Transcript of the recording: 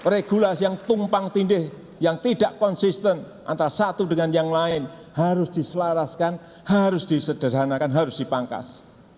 regulasi yang tumpang tindih yang tidak konsisten antara satu dengan yang lain harus diselaraskan harus disederhanakan harus dipangkas